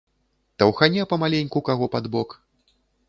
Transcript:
Таўхане памаленьку каго пад бок.